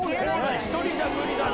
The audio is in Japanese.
１人じゃ無理だね。